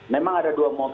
memang ada dua motif